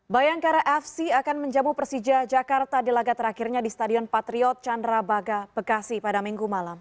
bayangkara fc akan menjamu persija jakarta di laga terakhirnya di stadion patriot candrabaga bekasi pada minggu malam